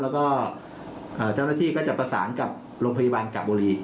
แล้วก็เจ้าหน้าที่ก็จะประสานกับโรงพยาบาลกะบุรี